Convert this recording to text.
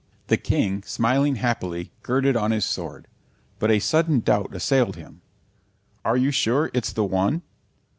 The King, smiling happily, girded on his sword. But a sudden doubt assailed him. "Are you sure it's the one?"